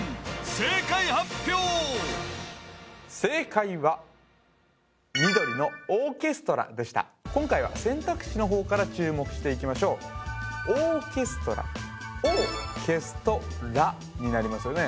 正解発表正解は緑のオーケストラでした今回は選択肢のほうから注目していきましょうオーケストラ「Ｏ」消すと「ラ」になりますよね